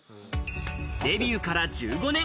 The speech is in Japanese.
デビューから１５年。